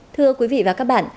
thưa quý vị và các bạn